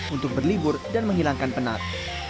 untuk berlibur dan menghilangkan penat